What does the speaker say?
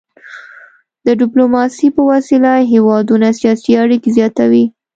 د ډيپلوماسي په وسيله هیوادونه سیاسي اړيکي زیاتوي.